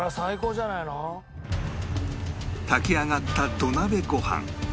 炊き上がった土鍋ご飯